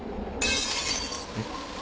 ・えっ？